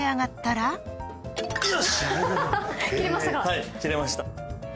はい切れました。